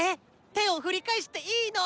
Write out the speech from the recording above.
手を振り返していいの？